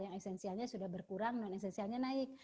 yang esensialnya sudah berkurang non esensialnya naik